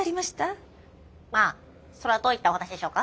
まあそれはどういったお話でしょうか？